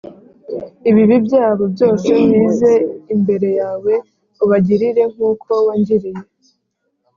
“Ibibi byabo byose bize imbere yawe, Ubagirire nk’uko wangiriye,